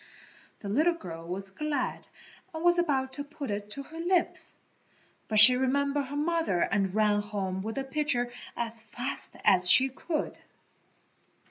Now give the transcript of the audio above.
The little girl was glad and was about to put it to her lips, but she remembered her mother and ran home with the pitcher as fast as she could.